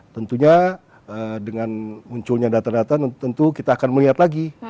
tentunya dengan munculnya data data tentu kita akan melihat lagi